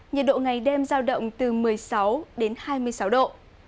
nhiệt độ ngày đêm giao động từ một mươi sáu đến hai mươi sáu độ